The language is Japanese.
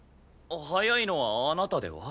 早いのはあなたでは？